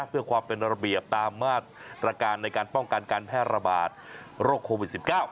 เพื่อความเป็นระเบียบตามมาตรการในการป้องกันการแพร่ระบาดโรคโควิด๑๙